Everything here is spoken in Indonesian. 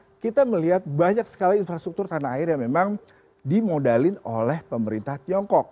yang menarik adalah sebenarnya kita melihat banyak sekali infrastruktur tanah air yang memang dimodalin oleh pemerintah tiongkok